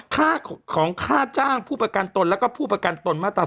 ของค่าจ้างผู้ประกันตนแล้วก็ผู้ประกันตนมาตรา๒